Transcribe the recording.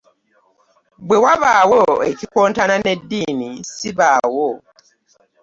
Bwe wabaawo ekikontana n'eddiini ssibaawo.